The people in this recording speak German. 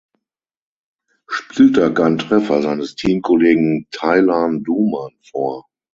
Spieltag einen Treffer seines Teamkollegen Taylan Duman vor.